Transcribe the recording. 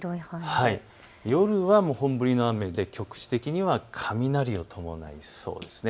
夜は本降りの雨で局地的には雷を伴いそうです。